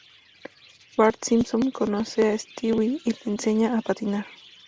Bart Simpson conoce a Stewie y le enseña a patinar.